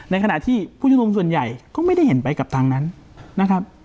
ขณะที่ผู้ชมนุมส่วนใหญ่ก็ไม่ได้เห็นไปกับทางนั้นนะครับ